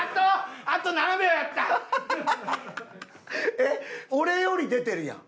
えっ俺より出てるやん。